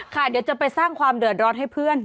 เดี๋ยวจะไปสร้างความเดือดร้อนให้เพื่อน